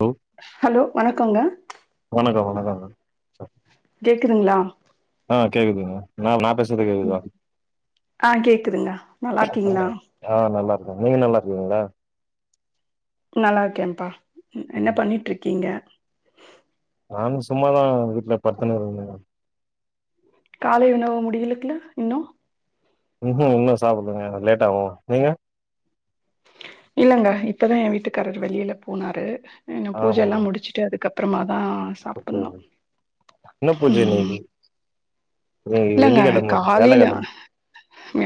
Hello hello வணக்கோங்க ஆ கேக்குதுங்களா ஆ கேக்குதுங்க ந நா பேசறது கேக்குதா ஆ கேக்குதுங்க நல்லா இருக்கீங்களா ஆ நல்லாருக்க நீங்க நல்லா ங்ளா நல்லாருக்கேன்ப்பா என்ன பண்ணிட்டு இருக்கீங்க நங்க சும்மாதா வீட்ல பட்துன் இருந்த காலை உணவ முடியிலுக்ல இன்னு ம் இன்ன சாப்புடுங்க லேட் ஆகும் நீங்க அங்க இப்பதா எ வீட்டுக்காரர் வெளியில போனாரு என்ன பூஜல்லா முடிச்சுட்டு அதுக்கப் பிரமாத் ன்ன புஜே ம் இன்னிக்கி இல்லங்க காலைல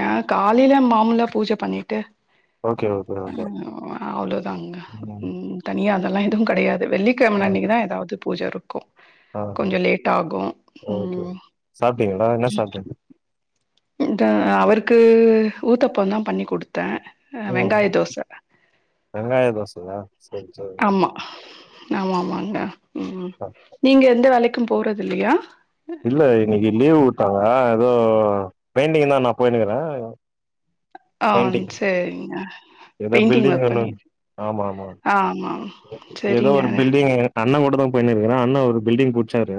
ஏ காலைல மாமுலா பூஜ பண்ணி டு ஓகே ஓகே அ ஓகே அவுளோதாங்க ம் தனியா அதலா டு கடையாத் வெள்ளிக்கெழம ஆ அன்னிக்கிதா எதாவ்து பூஜா இருக்கு ஆ கொஞ்ச லேட்டா ஆகு ம் அப்டிங்களா என்ன சாப் [unintelligible] அவருக்கு ஊத்தாப்பொந்தா பண்ணிக்குடுத்த ம் வெங்காய தோசையா சேரி சேரி ஆமா. ஆமாமாங்க ம் நீங்க எந்த வேலைக் க்கும் போறது இல்லையா இல்ல இன்னக்கி லீவ் உட்டாங்க ஏதோ பெயிண்டிங் தா நா போய்னுக்குற அ சேரிங்க ஏதோ பெயிண்ட்டிங் பில்டிங் ஒர்க் ஒன்னு பண்ணி ஆமா ஆமா ஆ ஆமா ஏதோ சரிங்க. ஒரு பில்டிங் அண்ணங் கூட தா போய்னுருக்குற அண்ணா ஒரு பில்டிங் புச்சாரு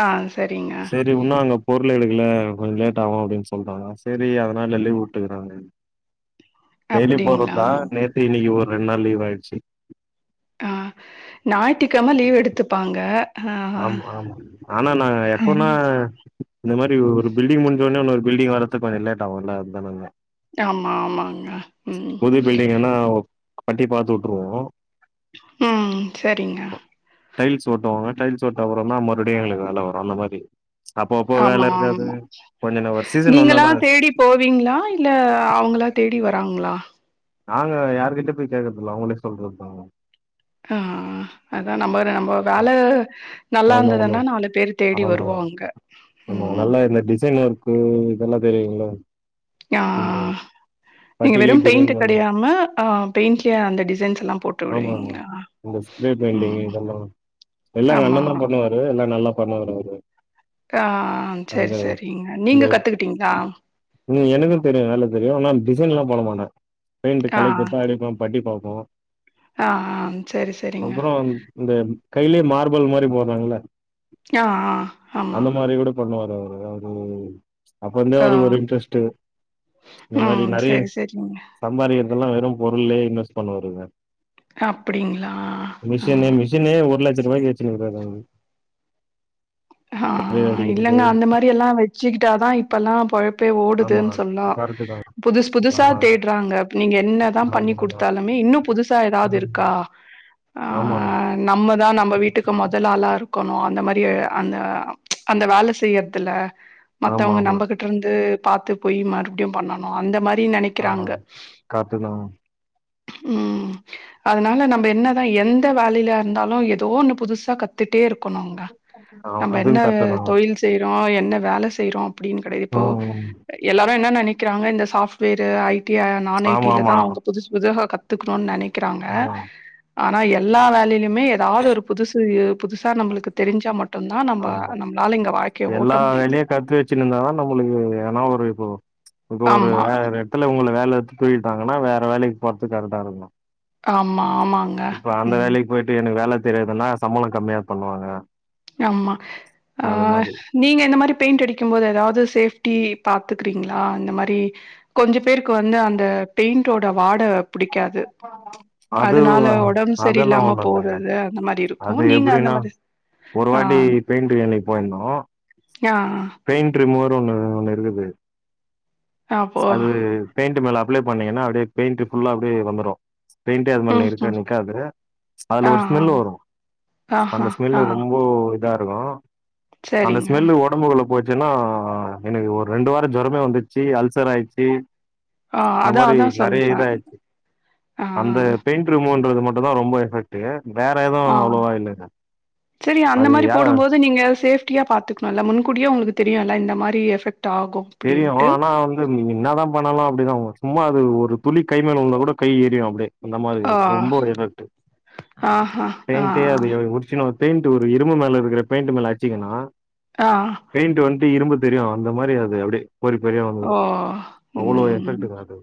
ஆ சரிங்க. சேரி உன்னு அங்க பொருள் எடுக்கல கொஞ் லேட் ஆவு அப்டின் சொல்றாங்க சேரி அதுனால லீவு உட்டுக்குறாங்க டெய்லி அப்படிங்களா? போட்றதா நேத்து இன்னிக்கு ஒரு ரெண்டு நாள் லீவ் ஆயடுச்சு ஆ ஞாயிற்றுக்கிழம லீவ் எடுத்துப்பாங்க. ஆ ஆமா ஆமா ஆனா நான் எப்பனா ம். இந்த மாதிரி ஒரு பில்டிங் முடிஞ்சோடனே ஒண்ணு பில்டிங் வரது கொஞ்சம்லேட ஆக இல்ல அது தானாங்க ஆமா ஆமாங்க உம் பட்டி பாத்துு விட்டுருவோம் உம் சரிங்க டைல்ஸ்ஓட்டுவாங்க டைல்ஸ்ஓட்ட அப்புறம் த மறுபடியும் எளுக்கு வேலை வரும் அந்த மாதிரி ஆமா ஆமா கொஞ்ச ஒரு சீசன் நீங்களா வந்தாதா தேடி போவீங்களா இல்ல அவங்களா தேடி வராங்களா நாங்க யாருகிட்ட போய் கேக்குறதில்ல அவங்களே சொல்றது தாங்க ஆஹ் அதா நம்ம நம்ம வேல நல்லா ஆமா ஆமா. இருந்ததன்னா நாலு பேர் தேடி ஆமா. வருவோம் அங்க உம் ருக்கு இதெல்லாம் தெரியங்களா ஆஹ் நீங்க பட்டியிலே வெறும் டிசைன் பெயிண்ட் பண்ணு கிடையாமஹ் பெயிண்ட்லய அந்த டிசைன்ஸ் எல்லாம் போட்டு ஆமா விடுவீங்களா இந்த ஸ்ப்ரே பெிண்டங ம் இதெல்லாம் எல்லாம் எங்க ஆமா அண்ணா தா பண்ணுவாரு எல்லாம் நல்லா பண்ணுவரு அவரு ஆ சரி அந்த சரிங்க நீங்க இந்த கத்துக்கிட்டீங்களா உம் எனக்கும் தெரியும் நல்லா தெரியும் ஆனா டிசைன் எல்லாம் போட மாட்டேன் பெண்ட் ஆ களை குடுத்தா ஆடிப் பட்டி ஒ ஆ ஆ சரி சரிங்க அப்புறம் இந்த கையில மார்பல் மாரி போறாங்களா ஆஹ் ஆஹ் ஆமா ஏதாவது அப்பந்தே ஆ அவருக்கு ஒரு இன்ட்ரெஸ்ட் இந்த மாதிரி ம் நிறைய சரி சரிங்க சம்பாதி இதெல்லாம் வெறும் பொருளே இன்வெஸ்ட் பண்ண வரு அப்டிங்களா ஆ மிஷினே மிஷினே ஒரு லட்சம் ரூபாய்க்கு வச்சுருங்கற அவரு கொய்ய ஆஹ் அடிக்கிறது இல்லங்க அந்த மாதிரி எல்லாம் வச்சுக்கிட்டாதா இப்ப எல்லாம் போலப் ஆமா ஓடுதுன்னு சொல்லம் கரெக்ட்டு தா புது புதுசா ஆமாங்க தேடுறாங்க நீங்க என்னதான் பண்ணி ஆமா கொடுத்தாலுமே இன்னும் புதுசா ஏதாவது ஆமா ம் இருக்காஹ ஆமாங்க நம்மதா நம்ம வீட்டுக்கு முதல் ஆளா இருக்கணும் அந்த மாதிரி [unintelligible] அந்த அந்த வேல செய்யறதுல ஆமா மத்தவங்க ஆமா நம்பகிட்ட இருந்து பாத்து போய் மறுபடியும் பண்ணணும் அந்த மாதிரி னு ஆமா நினைக்கிறாங்க கரெக்ட்டு தா உம் அதனால நம்ம என்னதா எந்த வேலையில இருந்தாலும் ஏதோ ஒண்ணு புதுசா கத்து டே இருக்கணும்ங்க ஆ வெண் அதுவு என்ன கரெக்ட்டு தாங்க தொழில் செய்யறோம் ஆ என்ன வேல செய்யறோம் அப்படின்னு கிடையது இப்போ ம் எல்லா என்ன நினைக்கிறாங்க இந்த சாப்ட்வேர் ஐ டி நான் ஐ ஆமா ஆமா டிலதா அவங்க புதுசு புதுசா கத் கத்துகிறோம் நனை இருக்கிறாங்க. ஆமா ஆனா எல்லா வேலையிலயுமே ஏதாவது ஒரு புதுசு புதுசா நம்மளுக்கு தெரிஞ்சு ஆமா ஓட்ட எல்லா முடியுது வேலையும் கத்து வச்சுருந்தாதா நம்மளுக்கு ஏன்னா ஒரு ம் இப்ப ஒரு ஆமா வே இடத்துல உங்க வேல தூக்கிட்டாங்களாம் வேற வேலைக்கு பொறத்து கரக்டா இருக்கும் ஆமா. ஆமாங்க இப்ப அந்த ம் வேலைக்கு போயிட்டு எனக்கு வேல தெரியதுல்லா சம்பளம் கம்மியா பண்ணுவாங்க ஆமா அது அஹ் மாரி நீங்க இந்த மாரி பெயிண்ட் அடிக்கும் போது ஏதாவது சேஃப்டி பார்த்தக்கறீங்களா இந்த மாரி கொஞ்ச பேருக்கு வந்து அந்த பெயிண்டோட வாட பிடிக்காது அது அதனால உடம்பு அதெல்லா சரில்ல்லாம ஒண்ணு இல்ல போது அந்த மாதிரி இருக்கும் அது நீங்க அந்த எப்டின்னா மாதிரி ஒரு வாட்டி பெயிண்ட் வேலைக்கு போயிருந்தோம் ஆ ஆ பெயிண்ட் ரிமூவர் ஒண்ணு அப்போ [unintelligible] அது பெயிண்ட் மேல ஆப்பிளை பண்ணீங்கா அப்படிய பெயிண்ட் ஃபுல்லா அப்படியே வந்துரும் பெயிண்டே அது மாதிர இருக்க ம்ஹ்ம். நிற்காது அதுல ஆ, ஒரு ஆ. ஸ்மெல்ல வரும் ஆஹா, அந்த ஆ. ஸ்மெல்ல ரொம்ப இதா இருக்கும் அந்த சரிங்க. ஸ்மெல்லு உடம்பு குள்ள போச்சுன்னா எனக்கு ஒரு ரெண்டு வாரம் ஜரமே வந்துச்சு அல்சர் ஆயிடுச்சு ஆஹ் இந்த அதா மாரி அதா சொல்ற நெறைய இதாயிடுச்சு அந்த பெயிண்ட் ரூமூவ். ன்றது மட்டுந்தா ரொம்ப எபக்ட்டு ஆ செரி அந்த அது மாரி யா போடும்போது நீங்க ஃசேப் டியா பாத்துக்கணுல்ல முன்கூட்டியே உங்களுக்கு தெரியுல்ல இந்த மாரி எபெக்ட் தெரியு ஆனா வந்து நீங்க என்னாதா பண்ணுனாலு அப்டிதா ஓடும் சும்மா அது ஒரு துளி கைமேல உழுந்தா கூட கை எரியு அப்டியே அந்த ஆ, மாரிய ரொம்ப ஒரு எபெக்ட் ஆஹா, ஆ, [unintelligible] அது ஏ உறிச்சுனு பெயிண்ட் ஒரு இரும்பு மேல இருக்குற பெயிண்ட்டு மேல அடுச்சிங்கனா ஆ. பெயிண்ட் வந்து இரும்புத் தெரியு அந்த மாரி அது ஓ வந்துரு அவ்ளோ உம் எஃபெக்ட்டுங்க அது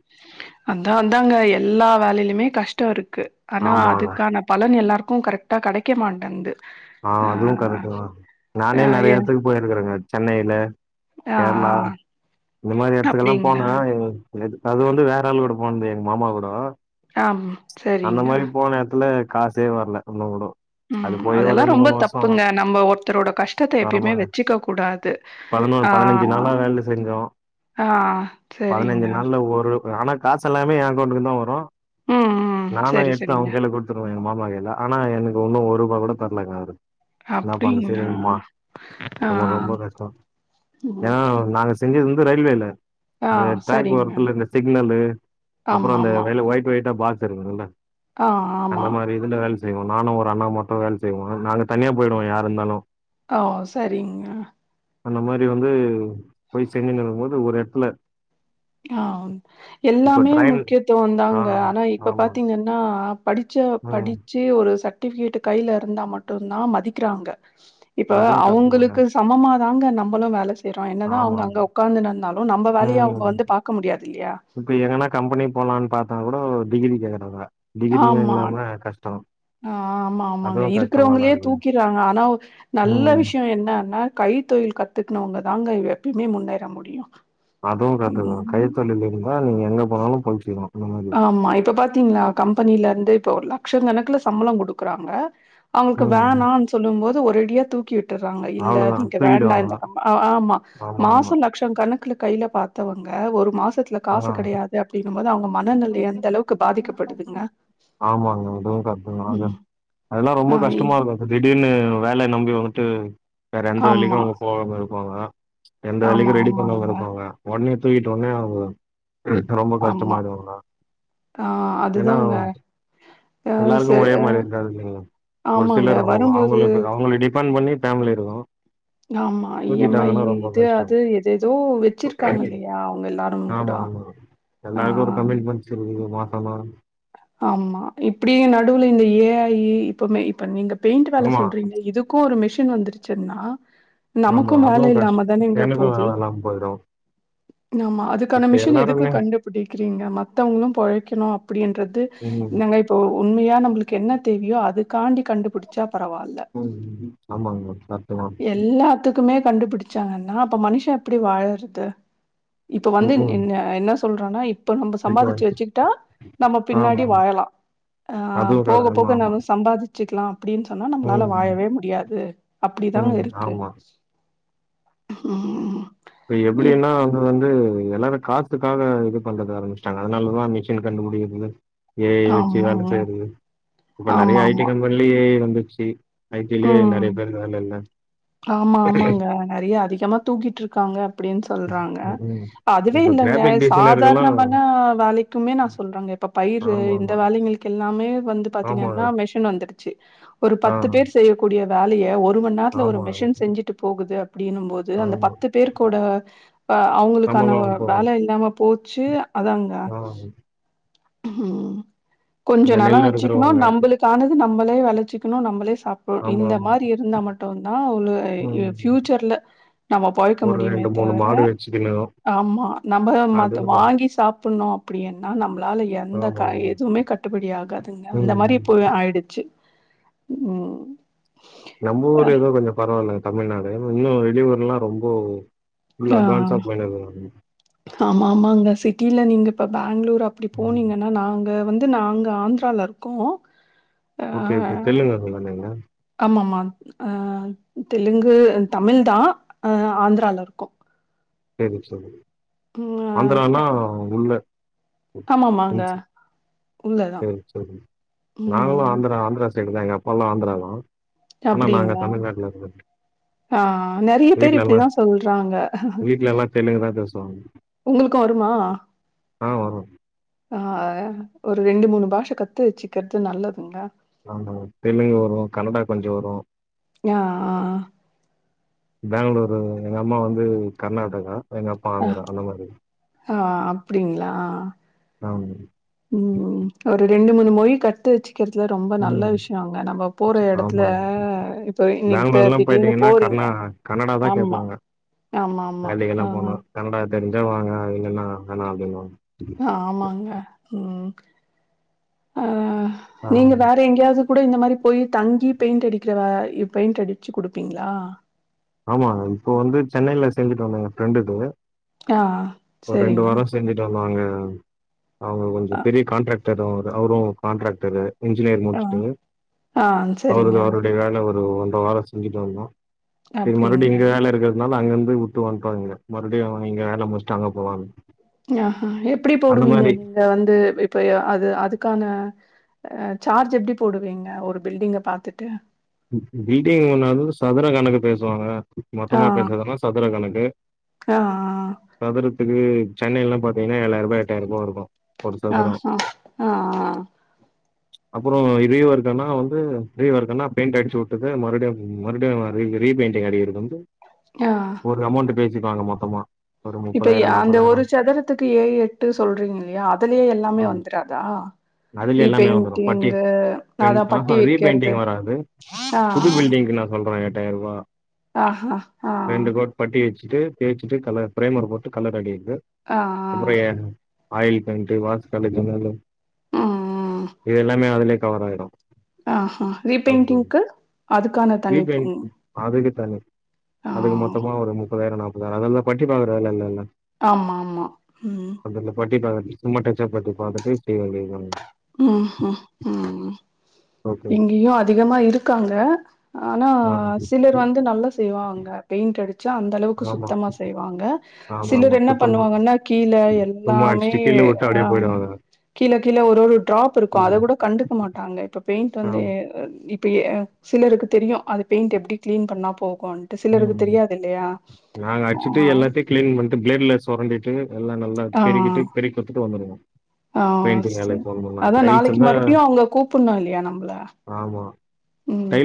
அந்தா அந்தான்ங்க எல்லா வேலையிலுமே கஷ்டோ இருக் இருக்கு ஆனா ஆமாங்க அதுக்கான பலன் எல்லாருக்கு க்கு கரெக்ட் ஆ அதுவு கரெக்ட்டுதா ஆ, நானே நெறையா எ எடத்துக்கு போயிருக்குறேங்க சென்னையில ஆ, கேரளா இந்த மாரி எடத்துக்கெல்லா அப்டிங்களா? போனா அது வந்து வேற அளவுட் போன்தே எங்க மாமா கூட ஆம், அந்த சரிங்க. மாரி போன எடத்துல காசே வரல இன்னுங் கூட அது உம் போய் ஒரு அதெல்லா ரெண்டு ரொம்ப மூணு வருஷோ தப்புங்க நம்ம ஒருத்தரோட கஷ்டத்த எப்பயுமே ஆமா வச்சுக்க கூடாது பதினோரு ஆ பதினஞ்சு நாளா வேல செஞ்சோம் ஆ சரிங்க. பதினைஞ்சு நாள்ல ஒரு ஆனா காசு எல்லாமே ஏ அக்கவுண்டக்குதா வரு ம் ம் நானு சரி எடுத்து சரிங்க. அவன் கைல குடுத்துருவே எங்க மாமா கையில ஆனா எனக்கு இன்னு ஒரு ரூபா கூட [unintelligible] என்னா பண்றது அப்புடிங்களா சரிம்மா ஆ யா ம் நாங்க செஞ்சது வந்து ரயில்வேல ஆ இந்த டிராக் சரிங்க. ஓரத்துல இந்த சிக்னலு அப்பறோ அந்த ஆமாமா. வேல ஒயிட் ஒயிட்டா பாக்ஸ் செரி உங்களா ஆ ஆமா செய்வோ நானு ஒரு அண்ணா மட்டு வேல செய்வோ நாங்க தனியா போயிடுவோ யாரு இருந்தாலு ஆ ஓ சரிங்க அந்த மாரி வந்து போய் செஞ்சின்ருக்கு போது ஒரு எடத்ல ஆ எல்லாமே ட்ரெயின் ஆ முக்கியத்துவந்தாங்க ஆனா இப்ப ஆமா பாத்தீங்கன்னா படிச்ச ம் படிச்சே ஒரு சட் சர்ட்டிபிகேட் கையில இருந்தா மட்டுந்தா மதிக்கிறாங்க இப்ப அதுவு கரெக்ட்டு தாங்க அவுங்களுக்கு சமமா தாங்க நா நம்பளு வேல செய்றோம் என்னதா ஆமா அவுங்க ஆமா அங்க உக்காந்துன்னு இருந்தாலும் நம்ப வேலைய அவுங்க ம் வந்து பாக்க முடியாது இல்லையா இப்ப எங்கன்னா கம்பெனி போலான்னு பாத்தாகூ இப்போ டிகிரி கேக்குறாங்க டிகிரியு ஆமா இல்லாம கஷ்டோ ஆ ஆமா ஆமாங்க அதுவு கஷ்டமாதா இருக்கிறவங்களையே இருக்கு தூக்கிறாங்க ஆனா நல்ல ம் விஷயம் என்னன்னா கைத்தொழில் கத்துக்கனவங்க தாங்க எப்பயுமே முன்னேற முடியும் அதுவும் கரெட்டுதான் கைத்தொழில இருந்தா தா நீங்க எங்க போனாலும் பொழச்சிக்கலாம் ஆமா இப்ப பாத்தீங்களா கம்பெனில இருந்தே இப்போலாம் லட்ச கணக்குல சம்பளம் குடுக்குறாங்க அவுங்கக்கு ம் வேணான்னு சொல்லும் போது ஒரு ரெடியா தூக்கிவிட் ட்ருங்கா இல்ல அவ்ளோதா நீங்க தூக்கிடுவாங்க வேண்டாம் ஆமா ஆமா ஆமா மாசம் லக்ஷம் கணக்குல கையில பாத்தவங்க ஒரு மாச த்தல ஆ காசு கெடையாது அப்டிங்கும் போது அவுங்க ஆமாங்க அதுவும் கரெக்ட்டு தான் அது ம். அதெல்லா ரொம்ப ஆ இ கஷ்டமா இருக்கும் திடீர்னு வேலைய நம்பிவங் ட்டு வேற எந்த ஆமா, வேலைக்கும் அவுங்க போகாம பாங்க எந்த ஆமா, வேலைக்கும் ரெடி பண்ணாம ஆமாங்க. இருப்பாங்க ஒடனே தூக்கிட்டன்னே அவுங்க ரொம்ப ஆமா. கஷ்டமாயிடுவாங்க ஆ ஏன்னா அதுதாங்க. அ சே எல்லாருக்கும் ஒரே மாரி இருக்காது இல்லீங்களா ஒரு ஆமாங்க. சிலர் அவுங்க வரும்போது அவுங்களுக்கு அவங்களடி டிப்பண் பண்ணி ஃபேமிலி இருக்கும் ஆமா இ எம் ஐ இது கஷ்டோ அது எத ஏதோ வச்சிருக்காங்க இல்லையா அவங்க எல்லாரும் கூட ஆமா ஆமா ஆ ஆமா ஆமா இப்டியே நடுவுல இந்த ஏ ஐ இப்போமே இப்ப நீங்க பெயிண்ட் வேல ஆமா சொல்றீங்க இதுக்கும் ஒரு மெஷின் வந்துருச்சி சின்னா ஆமா நமக்கும் அதுவு வேலை இல்லாம கஷ்டோ தான இங்க எனக்கு போகுது வேல இல்லாம போயிடு ஆமா அதுக்கான இப்ப மிஷன் எதுக்கு எல்லாருமே கண்டுபிடிக்கிறீங்க மத்தவங்களும் பொழைக்கணும் ன்றது ம் இந்தங்க இப்போ உண்மையா நம்மளுக்கு என்ன தேவையோ அது காண்டி கண்டுபிடிச்சா பரவால்ல ம் ம் ஆமாங்க கரெக்ட் தா எல்லாத்துக்குமே கண்டுபிடிச்சாங்கன்னா அப்ப மனுஷன் எப்படி வாழறது இப்ப வந்து ம் ம் என் என்ன சொல்றானாப்ப இப்ப நம்ம இப்ப சம்பாதிச்சு வச்சுக்கிட்டா ஆ பின்னாடி வாழலாம் அதுவு கரெ போக ஆமா போக நா ஆமா வ சம்பாதிச்ச வச்சுக்கலாம் அப்படின்னு சொன்னா நம்மளால ம் வாழ வே முடியாது அப்படிதா ம் இருக்கு ஆமா ஹம் இப்ப எப்படின்னா அவங்க வந்து எல்லாரும் காத்துக்காக இது பண்றது ஆரம்பிச்சிட்டாங்க அதனாலதா மிஷின் கண்டு புடிக்கது ஏ வச்சு வேலை ஆமாங்க செய்யறது இப்ப நிறைய ஐ டி கம்பெனில ஏ வந்து வச்சி உம் ஆமா ஆமாங்க நிறைய அதிகமா தூக்கிட்டு இருக்க க்காங்க அப்படின்னு சொல்றாங்க ம் ம் அதுவே இப்ப இல்ங்க கிராஃபிக் டிசைனர்கெல்லா சாதாரணமான வேலைக்குமே நா சொல்றாங்க இப்ப பயிரு ஆமா ஆமா இந்த வேலைகளுக்கு எல்லாமே வந்து ஆமாங்க பாத்தீங்கன்னா மெஷின் வந்து ஒரு ஆ பத்து பேர் கூடிய வேலைய ஒரு ஒரு ம நேரத்துல ஒரு ஆமாங்க மிஷின் செஞ்சுட்டு போகுது அப்படின்னும் போது அந்த ஆமா பத்து பேரு கூடஹ் அவங்களுக்கான சம்பளோ இப்போ வேல இல்லாம போச்சு அதாங்க ஆ உஹம் இந்த கொஞ்சம் நாளம் நெல்ல வச்சுக்கணும் அறுக்குறவங்க நம்மளுக்கானது நம்ம நம்ளே விளைச்சிக்கணும் நம்மளே சப்ப ஆமா இந்த ஆமா மாதிரி இருந்தா மட்டும்தா ஒரு ம் பியூச்சர்ல நம்ம பொழைக்க ஒரு முடியுமே ரெண்டு மூணு தவிர மாடு வச்சுக்கணு ஆமா நம்ம மத்த அதுங்க வாங்கி சாப்பிடணோம் அப்படின்னா நம்மளால எந்த ஆமா ஆமா எதுவுமே கட்டுப்படி ஆகாதுங்க அந்த ம் மாதிரி ம் போய் ஆயிடுச்சு உம் நம்ம ஊர் ஏதோ கொஞ்ச பரவால்ல தமிழ்நாடு இன்னும் வெளியூர்லாம் ரொம்ப ஃபுல் ஆ அட்வான்ஸா போயின் இருக்காங்க ஆமா ஆமாங்க சிட்டில நீங்க இப்ப பா பெங்களூர் அப்படி ம் போனீங்கன்னா நாங்க வந்து ந்து நாங்க ஆந்திரில இருக்கோம் ஆ ஓகே ஓகே தெல்லுங் கரங்கலா நீங்க ஆமாமா ஆ தெலுங்கு தமிழ்தா ஆ ஆந்திரால இருக்கோம் சரி சரி ஆந்திரானா உள்ள ஆமா ஆமாங்க ம் உள்ளதா நாங்களும் ஆந்திரா ஆந்திரா சைடுதா எங்க அப்பால்லா ஆந்திராதா அப்டிங்களா ஆ நெறைய பேர் வீட்ல எல்லா இப்டிதா சொல்றாங்க வீட்ல எல்லா தெலுங்குதா பேசுவாங்க உங்களுக்கும் வருமா? ஆ வரும் ஆ ஒரு ரெண்டு மூணு பாஷ கத்து வச்சுக்கிறது நல்லதுங்க ஆமாங்க தெலுங்கு வரும் கனடா கொஞ்ச வரும் ஆ ஆ பெங்களூரு எங்க அம்மா வந்து கர்நாடகா எங்க அப்பா ஆ வந்து [unintelligible] மாரி ஆ அப்டிங்களா ஆமா உம் ஒரு ரெண்டு மூணு மொழி கத்து வச்சு க்கிறதுல ரொம்ப நல்ல ம் விஷயங்க நம்ம போற எடத்துல ஆமாங்க இப்ப இன்னைக்கு த பெங்களூர்லா திடீர்னு போயிட்டீங்கன்னா போறீங்க கர்நா கன்னடா தா ஆமா கேப்பாங்க ஆமா ஆமா வேலைக்கெல்லா போனா ஆ கன்னடா தெரிஞ்சா வாங்க இல்லன்னா வேனா அப்டிம்பாங்க ஆமாங்க உம் ஆ ஆ நீங்க வேற எங்கயாவது கூட இந்த மாதிரி போய் தங்கி பெயிண்ட் அடிக்கிற வே பெயிண்ட் அடிச்சு குடுப்பீங்களா ஆமாங்க இப்போ வந்து சென்னையில செஞ்சிட்டு வந்தங்க ஃப்ரெண்டுக்கு ஆ ஒரு ரெண்டு சரிங்க. வாரம் செஞ்சுட்டு வந்தோங்க ஆ அவுங்க ஆ கொஞ்சம் பெரிய கான்ட்ராக்ட் டர் அவர் அவரும் கான்ட்ராக்டரு இன்ஜினியர் ஆ முடிச்சுட்டு ஆ அவருது சரிங்க. அவருடைய வேல ஒரு ஒரு ஒன்றரை வார செஞ்சுட்டு வந்தோம் இது அப்டிங்களா? மறுபடியும் இங்க வேல இருக்கறதுதுனால அங்கருந்து விட்டு வந்துட்டோம் இங்க மறுபடியும் இங்க வேல முடிச்சுட்டு அங்க போலான்னு ஆஹ எப்டி அந்த போடுவீங்க மாரி நீங்க வந்து இப்ப அது அதுக் க்கான ஆ சார்ஜ் எப்டி போடுவீங்க ஒரு பில்டிங்க பாத்துட்டு வீடே ஒன்னாது சதுர கணக்கு பேசுவாங்க ஆ, மொத்தமா பேசுறதுன்னா சதுர கணக்கு ஆ, ஆ, சதுரத்துக்கு சென்னைல்லாம் பாத்தீங்கன்னா ஏழாயிருபா எட்டாயிருபா இருக்கும் ஆஹ ஆஹ் ஆஹ் அப்புறம் இதே வருதுன்னா வந்து இதே வருதுன்னா பெயிண்ட் அடிச்சு வுட்டது மறுபடியு மறுபடியு ரீபெயிண்டிங் அடிகிறது வந்து ஆஹ் ஒரு அமௌண்ட் பேசிக்குவாங்க மொத்தமா ஒரு இப்ப முப்பதாயிரோ அந்த நாப்பதாயிரோ ஒரு சதுரத்துக்கு ஏ எட்டு சொல்றீங்க இல்லையா அதுலயே ஆ எல்லாமே வந்துறாதா அதுல எல்லாமே வந்துரும் பட்டி பெயிண்ட் அதான் ஆஹா பட்டி வைக்கிறது. ரீபெயிண்டிங் வராது புது பில்டிங்கு நா சொல்றேன் எட்டாயிர் ருபா ஆஹ்ஹ ஆஹ் வச்சுட்டு தேச்சிட்டு கலர் பிரேமர் போட்டு கலர் அடி து ஆ, முறைய ஆ, ஆயில் பெயிண்டு வாஸ்கலக்கனால இது எல்லாமே அதுலயே கவர் ஆயிடும் ஆஹ்ஹ ரீபெயிண்டிங்க்கு அதுக்கான தனிப்பு ரீபெயிண்ட் அதுக்கு தனி அதுக்கு மொத்தமா ஒரு முப்பதாயிரம் நாப் அதா அதுனால பட்டி பாக்குற வேல இல்லேல ஆமா ஆமா உம் இதுக்குமா டச்சப் பட்டி பாத்துட்டு [unintelligible] உம் ஹும் உம் ஓகே இங்கயோ அதிகமா இருக்காங்க ஆனா ஆ சிலர் வந்து நல்லா செய்வாங்க பெயிண்ட் அடு ச்சா அந்த அளவுக்கு ஆமா சுத்தமா செய்வாங்க ஆமா ஆமா சிலர் என்ன சுத்தமா பண்ணுவாங்கன்னா கீழ சும்மா எல்லாமே அடிச்சுட்டு கீழ வுட்டு அப்டியே ஆஹ் போயிடுவாங்க கீழ கீழ ஒரு ஒரு டாப் இருக்கும் அத ம் கூட கண்டுக்க மாட்டாங்க இப்ப பெயிண்ட் வந்து ஆமா ஆஹ் அப்டியே சிலருக்கு தெரியும் அது பெயிண்ட் எப்டி கிளீன் பண்ணா போ உம் நாங்க ஆ அடிச்சிட்டு எல்லாத்தையும் கிளீன் பண்ணிட்டு பிளேட்ல சொரண்டிட்டு எல்லாம் நல்லா பெருகிட்டு பெரிக்கி குடுத்துட்டு வந்துருவோம் ஆஹ் சரி அதான் டைல்ஸ் நாளைக்கு இருந்தா மறுபடியும் அவுங்க கூப்புட்ணும் இல்லையா நம்மள ஆமா உம் டைல்ஸ்